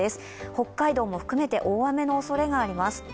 北海道も含めて大雨のおそれがあります。